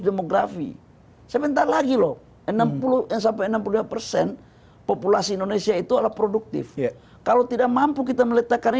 sementara lagi loh enam puluh enam puluh persen populasi indonesia itu ala produktif kalau tidak mampu kita meletakkan